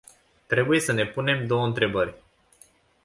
Trebuie să ne punem două întrebări.